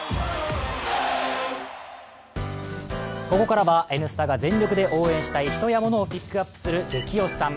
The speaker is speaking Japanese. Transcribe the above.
ここからは「Ｎスタ」が全力で応援したい人やモノを人やものをピックアップする「ゲキ推しさん」。